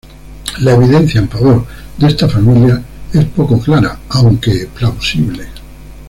La evidencia en favor de esta familia es poco clara aunque plausible.